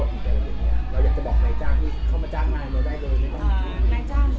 ที่ยาวมาก็คืองานตอนช่วงหน้านี้